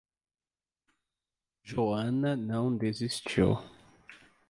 Joana não desistiu.